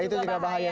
nah itu juga bahaya